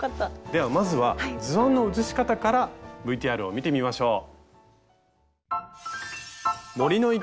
ではまずは図案の写し方からＶＴＲを見てみましょう。